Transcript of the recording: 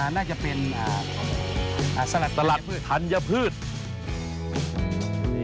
น่าจะเป็นสลัดทัญพืชสลัดทัญพืช